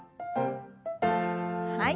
はい。